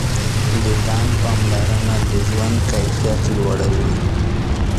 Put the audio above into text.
د ځان پاملرنه د ژوند کیفیت لوړوي.